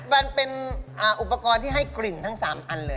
มันเป็นอุปกรณ์ที่ให้กลิ่นทั้ง๓อันเลย